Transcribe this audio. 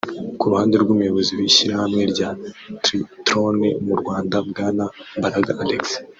Ku ruhande rw’umuyobozi w’ishyirahamwe rya Triathlon mu Rwanda bwana Mbaraga Alexis